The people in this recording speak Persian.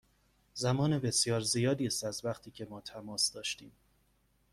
زمان بسیار زیادی است از وقتی که ما تماس داشتیم.